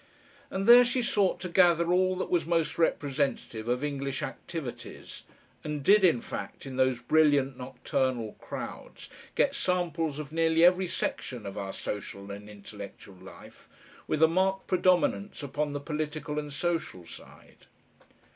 And there she sought to gather all that was most representative of English activities, and did, in fact, in those brilliant nocturnal crowds, get samples of nearly every section of our social and intellectual life, with a marked predominance upon the political and social side.